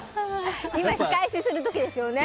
今、仕返しする時ですよね。